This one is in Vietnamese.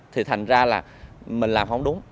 thì thành ra là mình làm không đúng